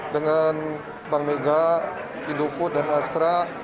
dengan bank mega indofood dan astra